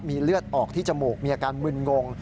มีเลือดออกที่จมูกมีอาการมึนงง